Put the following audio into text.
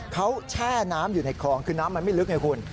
เขาแช่น้ำอยู่ในคลองคือน้ำมันไม่ลึกไงคุณ